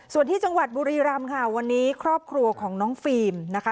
ส่วนที่จังหวัดบุรีรำค่ะวันนี้ครอบครัวของน้องฟิล์มนะคะ